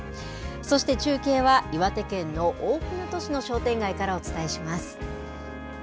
そして中継は、岩手県の大船渡市の商店街からお伝えします。